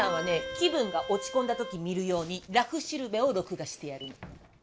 気分が落ち込んだ時見る用に「らふしるべ」を録画してある。